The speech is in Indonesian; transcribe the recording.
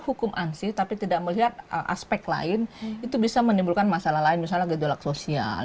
hukum ansi tapi tidak melihat aspek lain itu bisa menimbulkan masalah lain misalnya gejolak sosial